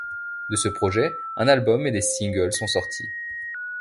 De ce projet, un album et des singles sont sortis.